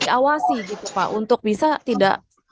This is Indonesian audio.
diawasi gitu pak untuk bisa tidak